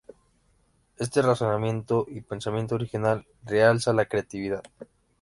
Este razonamiento y pensamiento original realza la creatividad.